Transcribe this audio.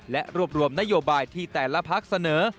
และรวบรวมนโยบายที่แต่ละพักเสนอ